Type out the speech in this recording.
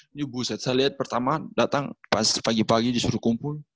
ini bu saya lihat pertama datang pas pagi pagi disuruh kumpul